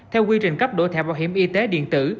theo quy trình cấp đổi thẻ bảo hiểm y tế điện tử